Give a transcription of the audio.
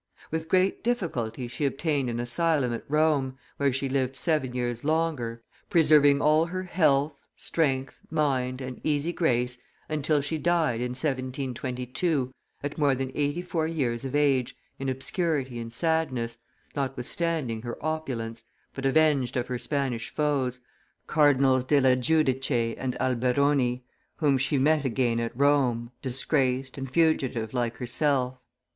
With great difficulty she obtained an asylum at Rome, where she lived seven years longer, preserving all her health, strength, mind, and easy grace until she died, in 1722, at more than eighty four years of age, in obscurity and sadness, notwithstanding her opulence, but avenged of her Spanish foes, Cardinals della Giudice and Alberoni, whom she met again at Rome, disgraced and fugitive like herself.